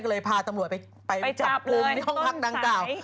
ก็เลยพาตำรวจไปจับมดน้องฮักนางกล่าว